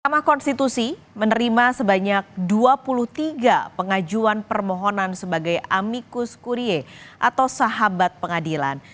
mahkamah konstitusi menerima sebanyak dua puluh tiga pengajuan permohonan sebagai amikus kurie atau sahabat pengadilan